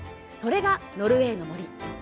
それが「ノルウェイの森」。